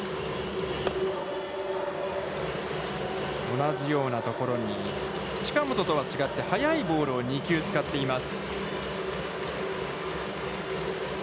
同じようなところに、近本とは違って速いボールを２球使っています。